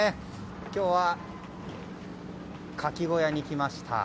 今日はカキ小屋に来ました。